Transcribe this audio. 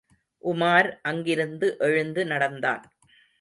உமார் அங்கிருந்து எழுந்து நடந்தான்.